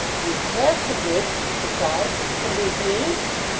"Leave Casterbridge!" she cried, "and leave—me?"